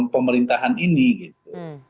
pemerintahan ini gitu